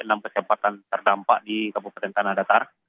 enam kecepatan terdampak di kabupaten tanah datar